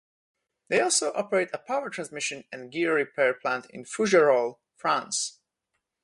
They also operate a power transmission and gear repair plant in Fougerolles, France.